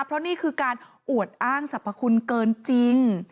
เพราะนี่คือการอวดอ้างสรรพคุณเกินจริง